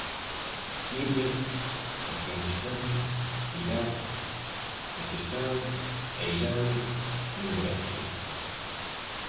Siria, Afganistán, Iraq, Paquistán e Irán en Grecia.